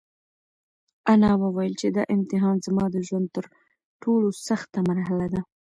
انا وویل چې دا امتحان زما د ژوند تر ټولو سخته مرحله ده.